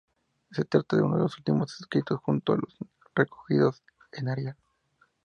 Se trata de uno de sus últimos escritos junto con los recogidos en "Ariel.